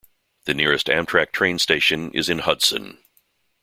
The nearest Amtrak train station is in Hudson.